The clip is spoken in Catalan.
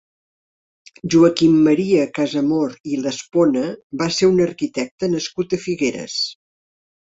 Joaquim Maria Casamor i d'Espona va ser un arquitecte nascut a Figueres.